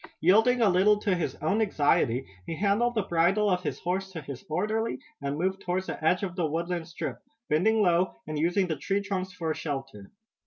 Yielding a little to his own anxiety, he handed the bridle of his horse to his orderly, and moved toward the edge of the woodland strip, bending low, and using the tree trunks for shelter.